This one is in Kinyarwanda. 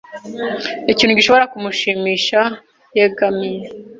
ikintu gishobora kumushimisha yegamiye